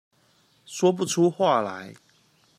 說不出話來